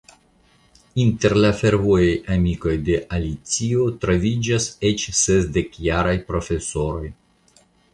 Inter la fervoraj amikoj de Alicio troviĝas eĉ sesdekjaraj profesoroj.